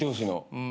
うん。